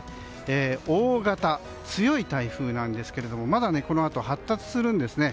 大型、強い台風なんですけどまだこのあと発達するんですね。